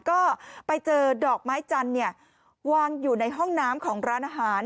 ก็ไปเจอดอกไม้จันทร์วางอยู่ในห้องน้ำของร้านอาหาร